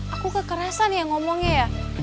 aku kekerasan ya ngomongnya ya